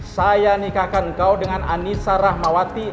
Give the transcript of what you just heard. saya nikahkan kau dengan anissa rahmawati